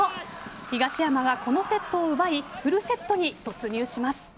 東山がこのセットを奪いフルセットに突入します。